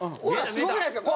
すごくないですか？